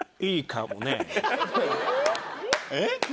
えっ？